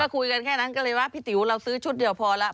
คุยกันแค่นั้นก็เลยว่าพี่ติ๋วเราซื้อชุดเดียวพอแล้ว